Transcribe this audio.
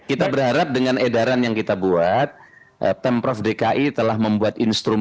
kita berharap dengan edaran yang kita buat